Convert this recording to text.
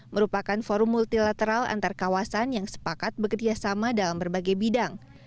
merupakan forum multilateral antar kawasan yang sepakat bekerjasama dalam berbagai bidang